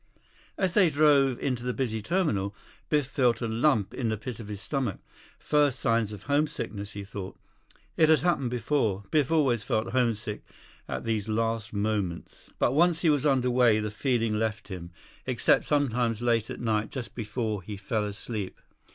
20 As they drove into the busy terminal, Biff felt a lump in the pit of his stomach. First signs of homesickness, he thought. It had happened before. Biff always felt homesick at these last moments. But once he was under way, the feeling left him. Except sometimes late at night, just before he fell asleep.